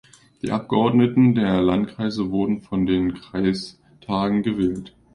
Die Abgeordneten der Landkreise wurden von den Kreistagen gewählt.